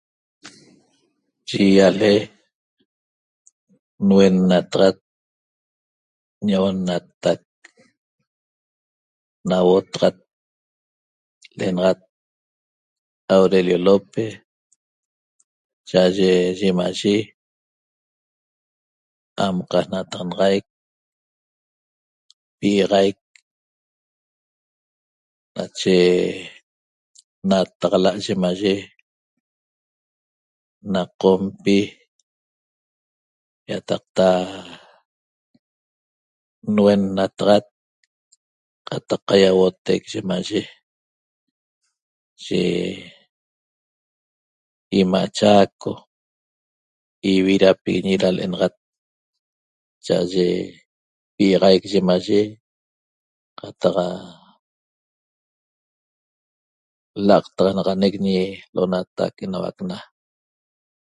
Yi ýale nuennataxat ñi'oxonnatac nauotaxat l'enaxat Aurelio López cha'aye yimayi amqajnataxanaic pi'iaxaic nache nataxala' yimaye na Qompi ýataqta nuennataxat qataq qaiauotec yimaye yi 'ima' Chaco ividapiguiñi da l'enatat cha'aye pi'iaxaic yimaye qataq l'aqtaxanaxanec L'onatac Enauac Na